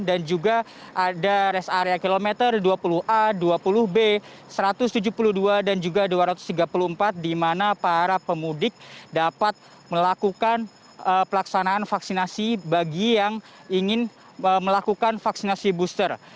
dan juga ada rest area kilometer dua puluh a dua puluh b satu ratus tujuh puluh dua dan juga dua ratus tiga puluh empat di mana para pemudik dapat melakukan pelaksanaan vaksinasi bagi yang ingin melakukan vaksinasi booster